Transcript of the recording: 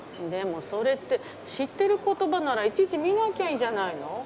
でもそれって知ってる言葉ならいちいち見なきゃいいんじゃないの？